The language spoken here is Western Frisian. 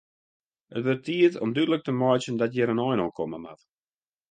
It wurdt tiid om dúdlik te meitsjen dat hjir in ein oan komme moat.